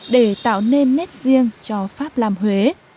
để tạo nên nét riêng cho pháp nam huế